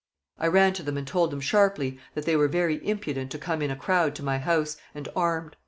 I ran to them and told them sharply that they were very impudent to come in a crowd to my house, and armed.